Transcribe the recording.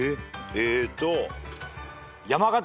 えっと。